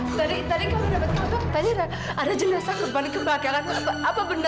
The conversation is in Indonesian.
sebaiknya jangan karena